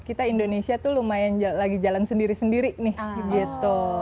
kita indonesia tuh lumayan lagi jalan sendiri sendiri nih gitu